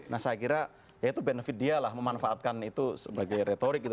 nah saya kira ya itu benefit dia lah memanfaatkan itu sebagai retorik gitu